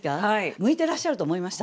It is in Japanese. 向いてらっしゃると思いました。